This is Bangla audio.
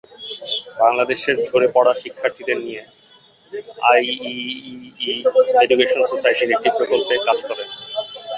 বাংলাদেশের ঝরে পড়া শিক্ষার্থীদের নিয়ে আইইইই এডুকেশন সোসাইটির একটি প্রকল্পে কাজ করেন।